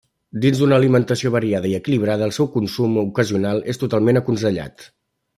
Dins d'una alimentació variada i equilibrada el seu consum ocasional és totalment aconsellat.